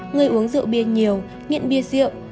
người uống rượu bia nhiều nghiện bia rượu